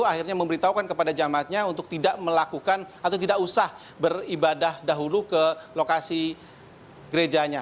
akhirnya memberitahukan kepada jamatnya untuk tidak melakukan atau tidak usah beribadah dahulu ke lokasi gerejanya